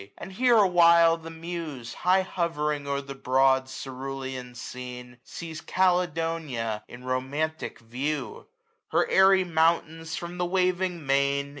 And here a while the Muse, High hovering o*er the broad cerulean scene^ Sees CALEDoifiA, in romantic view : Her airy mountains, from the waving main.